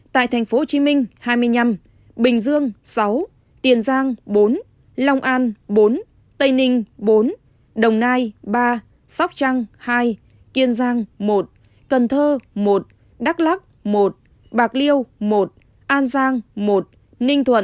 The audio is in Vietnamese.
tại tp hcm hai mươi năm bình dương sáu tiền giang bốn long an bốn tây ninh bốn đồng nai ba sóc trăng hai kiên giang một cần thơ một đắk lắc một bạc liêu một an giang một ninh thuận